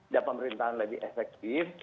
dan pemerintahan lebih efektif